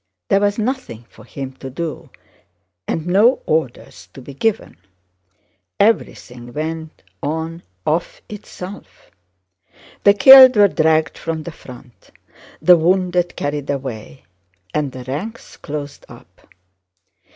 There was nothing for him to do and no orders to be given. Everything went on of itself. The killed were dragged from the front, the wounded carried away, and the ranks closed up.